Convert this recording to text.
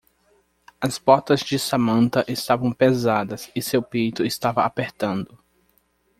As botas de Samantha estavam pesadas e seu peito estava apertando.